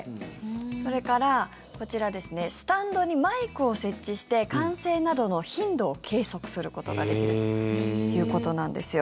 それから、こちらスタンドにマイクを設置して歓声などの頻度を計測することができるということなんですよ。